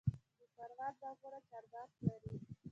د پروان باغونه چهارمغز لري.